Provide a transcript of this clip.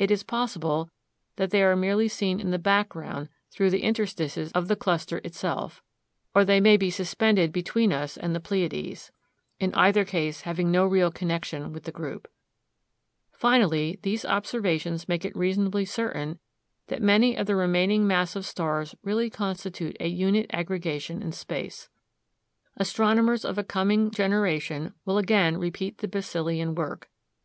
It is possible that they are merely seen in the background through the interstices of the cluster itself, or they may be suspended between us and the Pleiades, in either case having no real connection with the group. Finally, these observations make it reasonably certain that many of the remaining mass of stars really constitute a unit aggregation in space. Astronomers of a coming generation will again repeat the Besselian work.